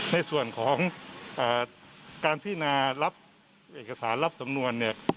ในส่วนของการพินารับเอกสารรับสำนวนเนี่ย